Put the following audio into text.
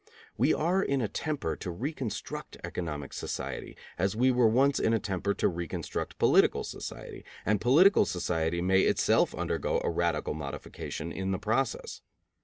We are in a temper to reconstruct economic society, as we were once in a temper to reconstruct political society, and political society may itself undergo a radical modification in the process.